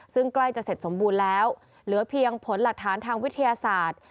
ซึ่งใกล้จะเสร็จสมบูรณ์แล้วเหลือเพียงผลหลักฐานทางวิทยาศาสตร์